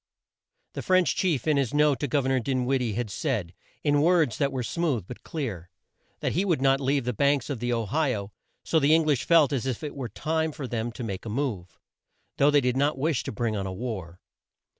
The French chief in his note to Gov er nor Din wid die had said, in words that were smooth but clear, that he would not leave the banks of the O hi o; so the Eng lish felt as if it were time for them to make a move, though they did not wish to bring on a war.